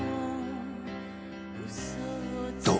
どう？